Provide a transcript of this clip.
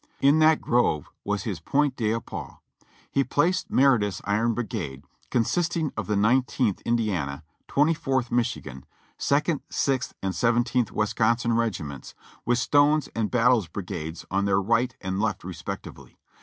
In that grove was his point d'appui. He placed Meredith's Iron Brigade, consisting of the Nineteenth Indiana, Twenty fourth Michigan, Second, Sixth and Seventh Wisconsin regiments, with Stone's and Battle's brigades on their right and left respectively.